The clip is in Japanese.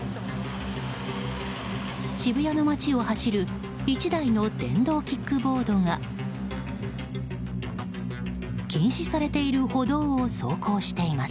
渋谷の街を走る１台の電動キックボードが禁止されている歩道を走行しています。